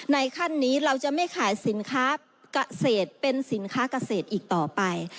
ขั้นนี้เราจะไม่ขายสินค้าเกษตรเป็นสินค้าเกษตรอีกต่อไป